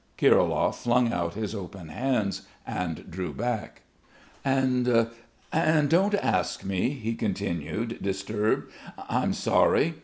Kirilov flung out his open hands and drew back. "And ... and don't ask me," he continued, disturbed. "I'm sorry....